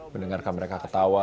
mendengarkan mereka ketawa